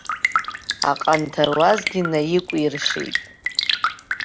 Аҟанҭаруазгьы наикәиршеит.